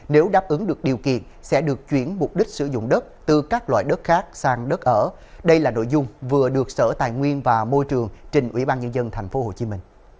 nếu đáp ứng được điều kiện sẽ được chuyển mục đích sử dụng đất từ các loại đất khác sang đất ở đây là nội dung vừa được sở tài nguyên và môi trường trình ủy ban nhân dân tp hcm